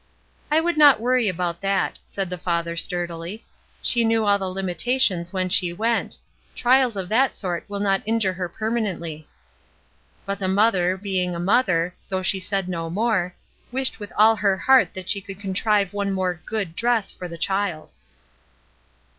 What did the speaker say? "I would not worry about that," said the father, sturdily. ''She knew all the limitations when she went ; trials of that sort will not injure her permanently." But the mother, being a mother, though she said no more, wished with all her heart that she could contrive one more ''good" dress for the child.